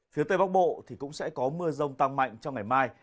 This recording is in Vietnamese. phía tây bắc bộ thì cũng sẽ có mưa rông tăng mạnh trong ngày mai